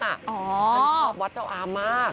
ฉันชอบวัดเจ้าอามมาก